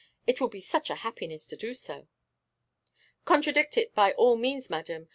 It will be such a happiness to do so.' 'Contradict it by all means, madam.